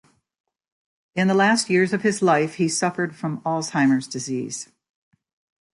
In the last years of his life he suffered from Alzheimer's disease.